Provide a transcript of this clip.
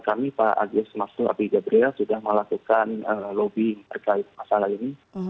kami pak agus masul abiy jabriya sudah melakukan lobbying percaya masalah ini